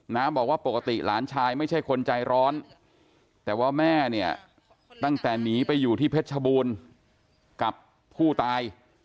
บอกว่าปกติหลานชายไม่ใช่คนใจร้อนแต่ว่าแม่เนี่ยตั้งแต่หนีไปอยู่ที่เพชรชบูรณ์กับผู้ตาย